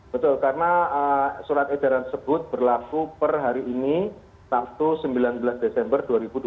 betul karena surat edaran tersebut berlaku per hari ini sabtu sembilan belas desember dua ribu dua puluh